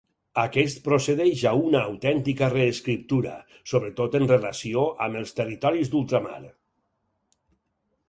Aquest procedeix a una autèntica reescriptura, sobretot en relació amb els territoris d'ultramar.